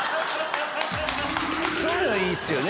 そういうのいいっすよね